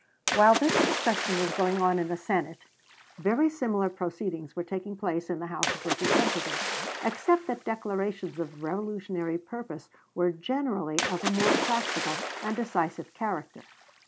While this discussion was going on in the Senate, very similar proceedings were taking place in the House of Representatives, except that declarations of revolutionary purpose were generally of a more practical and decisive character.